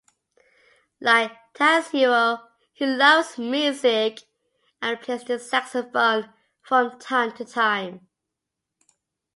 Like Tatsuo, he loves music and plays the saxophone from time to time.